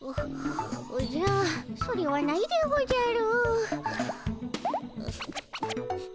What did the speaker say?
おじゃそれはないでおじゃる。